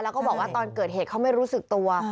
แล้วก็บอกว่าตอนเกิดเหตุเขาไม่รู้สึกตัว